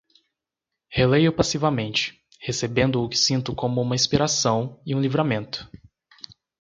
Releio passivamente, recebendo o que sinto como uma inspiração e um livramento